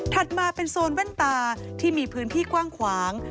มาเป็นโซนแว่นตาที่มีพื้นที่กว้างขวาง